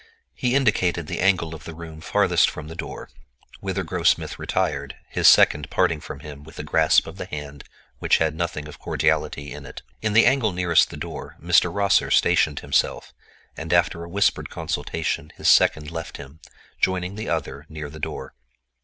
He indicated the angle of the room farthest from the door, whither Grossmith retired, his second parting from him with a grasp of the hand which had nothing of cordiality in it. In the angle nearest the door Mr. Rosser stationed himself, and after a whispered consultation his second left him, joining the other near the door.